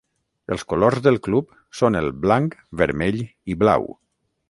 Els colors del club són el blanc, vermell i blau.